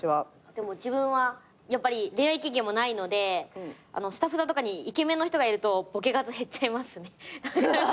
でも自分はやっぱり恋愛経験もないのでスタッフさんとかにイケメンの人がいるとボケ数減っちゃいますね。